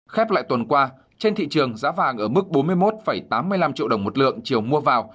khép lại tuần qua trên thị trường giá vàng ở mức bốn mươi một tám mươi năm triệu đồng một lượng chiều mua vào